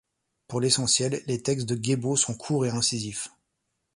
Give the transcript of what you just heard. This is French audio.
Pour l’essentiel, les textes de Guébo sont courts et incisifs.